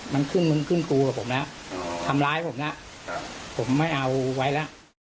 มันขึ้นมึงขึ้นกูกับผมละอ๋อทำร้ายผมละครับผมไม่เอาไว้ละ